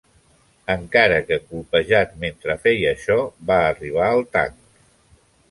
Encara que colpejat mentre feia això, va arribar al tanc.